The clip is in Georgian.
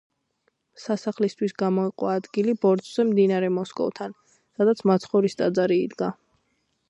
სასახლისთვის გამოიყო ადგილი ბორცვზე მდინარე მოსკოვთან, სადაც მაცხოვრის ტაძარი იდგა.